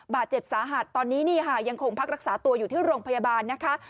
บาดเจ็บสาหัสตอนนี้นี่ค่ะยังคงพักรักษาตัวอยู่ที่โรงพยาบาลนะคะ